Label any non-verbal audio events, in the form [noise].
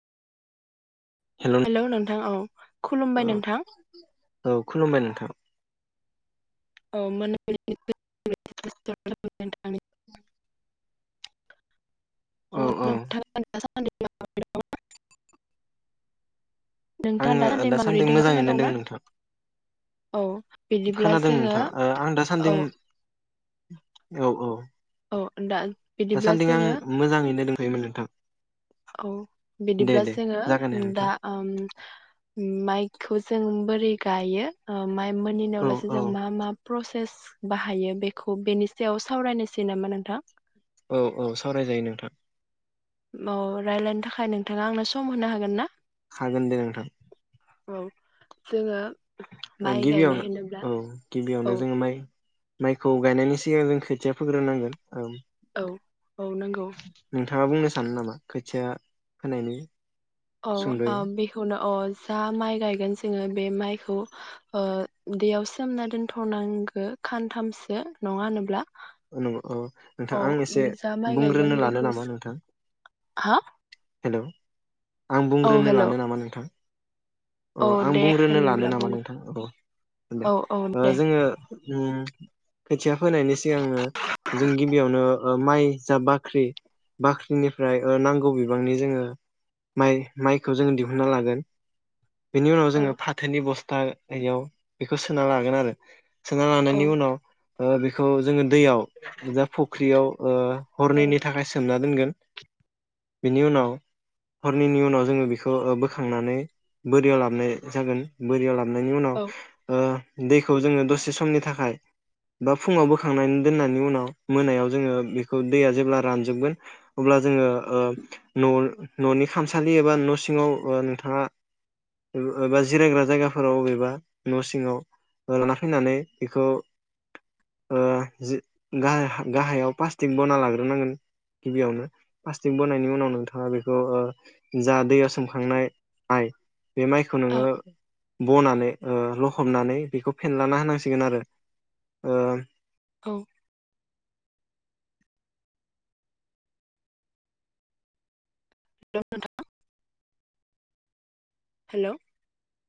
हेल' hello नोंथां औ। खुलुमबाय औ नोंथां औ खुलुमबाय नोंथां। औ [unintelligible] अ औ औ नोंथां [unintelligible] [unintelligible] आङो माबोरै दासान्दि दोङो मोजाङैनो खोनादोंना दं नोंथां औ बिदिब्ला खोनादों जोङो नोंथाङा ओ आं दासान्दि औ औ औ। औ दा बिदिब्ला जोङो होयोमोन नोथां औ। बिदिब्ला जोङो दे उ नोंथां दा ओम माइखौ जों बोरै गायो ओ माइ औ मोनिनावलासि औ जों मा मा प्रसेस बाहायो बेखौ बेनि सायाव सावरायनोसै नामा नोंथां? औ औ सावरायजायो नोंथां। औ रायलायनो थाखाय नोंथाङा आंनो सम होनो हागोन ना? हागोन दे नोंथां। औ जोङो माइ गायनाय गिबियावनो होनोब्ला औ औ गिबियावनो जोङो माइ माइखौ गायनायनि सिगां जों खोथिया फोग्रोनांगोन औ औ औ नंगौ नोंथाङा बुंनो सानो नामा खोथिया फोनायनि औ सुंद'यै आ बेखौनो अ जा माइ गायगोन जोङो बे माइखौ ओ दैयाव सोमना दोनथ'नांगो खानथामसो नङा होनोब्ला? नंगौ औ नोंथां औ आं एसे जा माइ गायगोन बुंग्रोनो लानो बेखौ नामा नोंथां? हा हेलौ आं औ बुंग्रोनो हेल' लानो नामा नोंथां? औ अ आं दे बुंग्रोनो लानो होनब्ला नामा बुं नोंथां? औ औ औ दे जोङो उम खोथिया फोनायनि सिगांनो जों गिबियावनो ओ माइ जा बाख्रि बाख्रिनिफ्राय ओ नांगौ बिबांनि जोंङो माइ माइखौ जोंङो दिहुनना लागोन। बेनि उनाव औ जोंङो फाथोनि बस्थ थायाव बेखौ सोना लागोन आरो। सोना औ लानायनि उनाव ओ बेखौ जोंङो। दैयाव जा फुख्रियाव ओ औ हरनैनि थाखाय सोमना दोनगोन। बिनि उनाव हरनैनि उनाव जोंङो बेखौ बोखांनानै बोरियाव लाबोनाय जागोन बोरियाव लाब लाब औ उनाव ओ। दैखौ जोंङो दसे समनि थाखाय बा फुङाव बोखांनानै दोननायनि उनाव मोनायाव जोंङो बेखौ दैया जेब्ला रानजोबगोन अब्ला जोङो ओ न' न'नि खामसालि एबा न' सिङाव नोंथाङा बबेबा जिरायग्रा जायगाफोराव बबेबा न' सिङाव लाना फैनानै बेखौ ओ जि गाहाय ओ गाहायाव प्लास्टिक बना लाग्रोनांगोन गिबियावनो प्लास्टिक बनायनि उनाव नोंथाङा बेखौ ओ जा दैयाव सोमखांनाय माय बे माइखौ औ नोंङो बनानै ओ लखबनानै बेखौ फेनलाना होनांसिगोन आरो ओ औ। हेल' नोंथां। हेलौ।